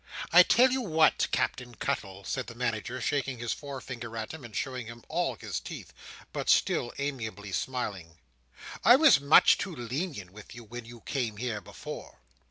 "I tell you what, Captain Cuttle," said the Manager, shaking his forefinger at him, and showing him all his teeth, but still amiably smiling, "I was much too lenient with you when you came here before.